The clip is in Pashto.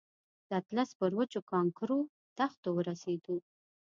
د اطلس پر وچو کانکرو دښتو ورسېدو.